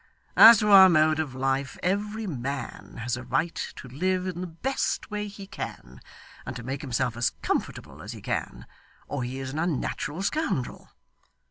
As to our mode of life, every man has a right to live in the best way he can; and to make himself as comfortable as he can, or he is an unnatural scoundrel.